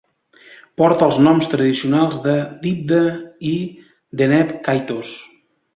Porta els noms tradicionals de "Diphda" i "Deneb Kaitos".